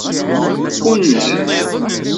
Unzen.